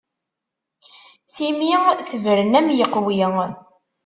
Timi tebren am yeqwi.